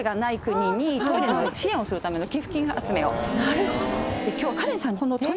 なるほど。